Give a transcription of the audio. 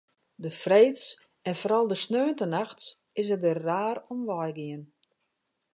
De freeds en foaral de sneontenachts is it der raar om wei gien.